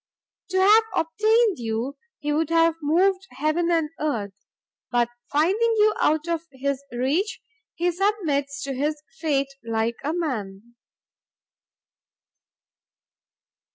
To have obtained you, he would have moved heaven and earth, but finding you out of his reach, he submits to his fate like a man."